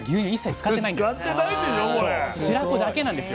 使ってないんでしょ？